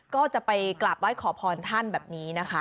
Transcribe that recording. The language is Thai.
ก็จะไปกราบไหว้ขอพรท่านแบบนี้นะคะ